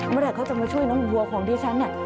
เมื่อไหร่เขาจะมาช่วยน้องวัวของดิฉันเนี่ย